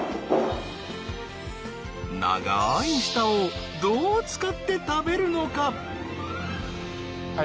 長い舌をどう使って食べるのか？